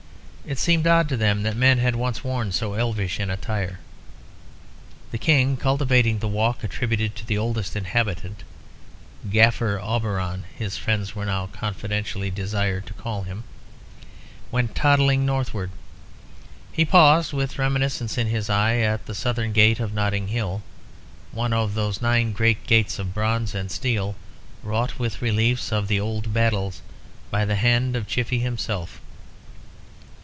It seemed odd to them that men had once worn so elvish an attire. The King, cultivating the walk attributed to the oldest inhabitant ("Gaffer Auberon" his friends were now confidentially desired to call him), went toddling northward. He paused, with reminiscence in his eye, at the Southern Gate of Notting Hill, one of those nine great gates of bronze and steel, wrought with reliefs of the old battles, by the hand of Chiffy himself.